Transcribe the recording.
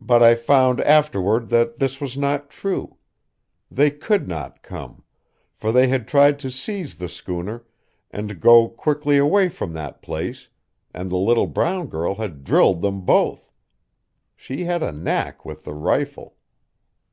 But I found afterward that this was not true. They could not come; for they had tried to seize the schooner and go quickly away from that place, and the little brown girl had drilled them both. She had a knack with the rifle....